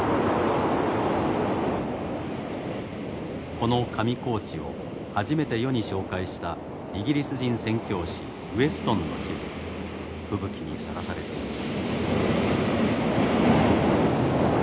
この上高地を初めて世に紹介したイギリス人宣教師ウェストンの碑も吹雪にさらされています。